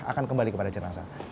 akan kembali kepada jenazah